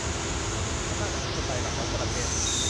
อำนาจอธิปไตยหลักของประเทศ